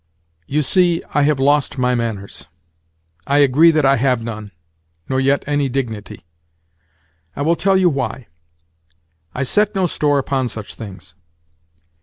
"You see, I have lost my manners. I agree that I have none, nor yet any dignity. I will tell you why. I set no store upon such things.